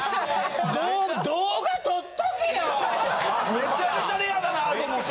めちゃめちゃレアだなと思って。